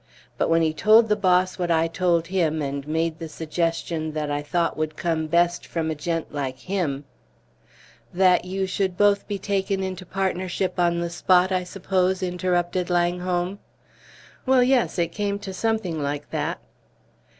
But when he told the boss what I told him, and made the suggestion that I thought would come best from a gent like him " "That you should both be taken into partnership on the spot, I suppose?" interrupted Langholm. "Well, yes, it came to something like that."